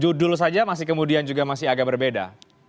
judul saja masih kemudian juga masih agak berbeda